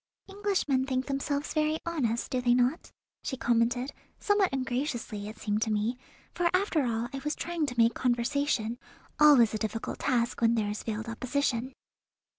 "Englishmen think themselves very honest, do they not?" she commented, somewhat ungraciously, it seemed to me, for after all I was trying to make conversation, always a difficult task when there is veiled opposition.